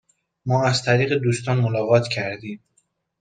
ما از طریق دوستان ملاقات کردیم.